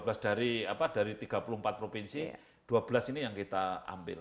berarti ini ada dua belas dari tiga puluh empat provinsi dua belas ini yang kita ambil